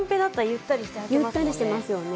ゆったりしてますよね。